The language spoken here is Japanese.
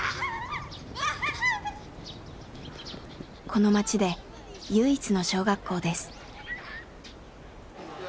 この町で唯一の小学校です。